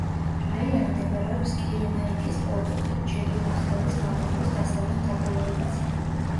რაიონი მდებარეობს კირენაიკის პლატოზე, ჯებელ-ახდარის მაღლობის დასავლეთ დაბოლოებაზე.